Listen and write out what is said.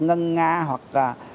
ngân nga hoặc